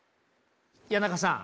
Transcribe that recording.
谷中さん